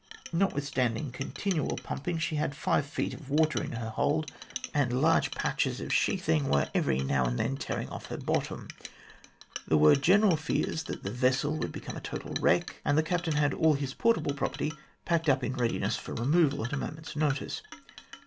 Notwithstanding continual pumping, she had five feet of water in the hold, and large THE FOUNDING OF THE COLONY 41 patches of sheathing were every now and then tearing off her bottom. There were general fears that the vessel would become a total wreck, and the captain had all his portable property packed up in readiness for removal at a moment's notice.